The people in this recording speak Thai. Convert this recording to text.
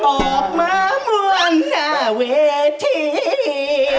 ออกมามวลหน้าเวที